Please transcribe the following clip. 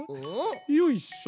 よいしょと。